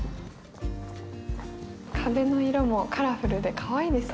壁の色もカラフルでかわいいですね。